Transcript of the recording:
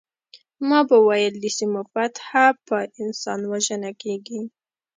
ما به ویل د سیمو فتح په انسان وژنه کیږي